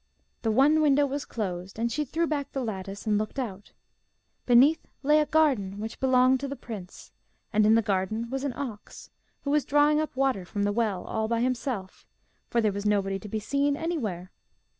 The one window was closed, and she threw back the lattice and looked out. Beneath lay a garden which belonged to the prince, and in the garden was an ox, who was drawing up water from the well all by himself for there was nobody to be seen anywhere.